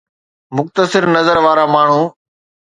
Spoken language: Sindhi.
مختصر نظر وارا ماڻهو